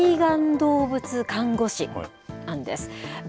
愛玩動物看護師なんです。